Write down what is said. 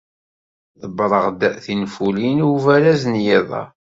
Ḍebbreɣ-d tinfulin i ubaraz n yiḍ-a.